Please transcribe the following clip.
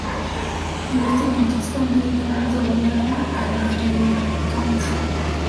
En este bantustán el idioma más hablado era el afrikáans.